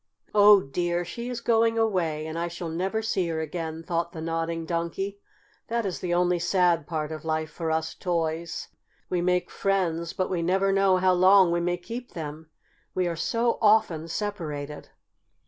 "Oh, dear! she is going away, and I shall never see her again," thought the Nodding Donkey. "That is the only sad part of life for us toys. We make friends, but we never know how long we may keep them. We are so often separated."